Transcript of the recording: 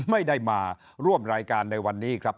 ไม่ได้มาร่วมรายการในวันนี้ครับ